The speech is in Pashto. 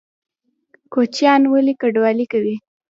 کوچیان ولې کډوالي کوي؟